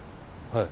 はい。